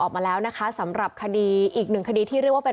ออกมาแล้วนะคะสำหรับคดีอีกหนึ่งคดีที่เรียกว่าเป็น